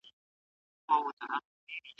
شپانګان مېږي او وزې په دوبي سکولي